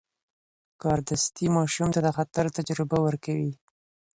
کاردستي ماشوم ته د خطر تجربه ورکوي.